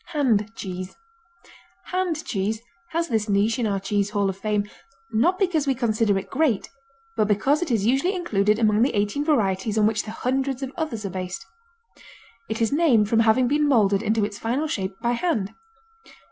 Hand Cheese Hand cheese has this niche in our Cheese Hall of Fame not because we consider it great, but because it is usually included among the eighteen varieties on which the hundreds of others are based. It is named from having been molded into its final shape by hand.